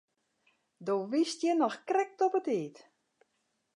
Do wiest hjir noch krekt op 'e tiid.